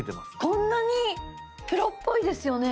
こんなに⁉プロっぽいですよね。